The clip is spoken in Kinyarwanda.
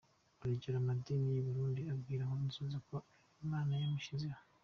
Urugero, amadini y’i Burundi abwira Nkurunziza ko ari imana yamushyizeho.